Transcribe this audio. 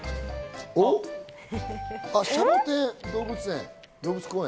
シャボテン動物公園。